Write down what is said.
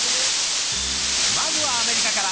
まずはアメリカから。